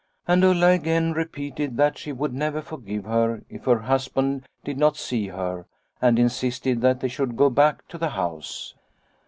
And Ulla again repeated that she would never forgive her if her husband did not see her, and insisted that they should go back to the house.